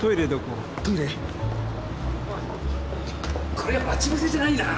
これは待ち伏せじゃないんだな？